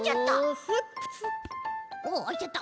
おあいちゃった。